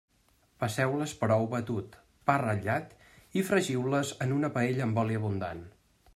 Passeu-les per ou batut, pa ratllat i fregiu-les en una paella amb oli abundant.